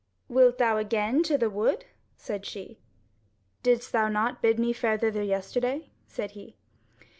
"Wilt thou again to the wood?" said she. "Didst thou not bid me fare thither yesterday?" said he.